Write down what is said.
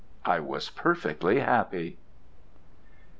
—I was perfectly happy!